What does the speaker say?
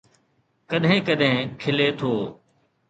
ڪڏهن ڪڏهن کلي ٿو